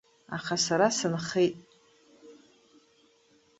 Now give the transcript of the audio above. Аха сара сынхеит.